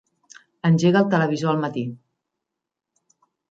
Engega el televisor al matí.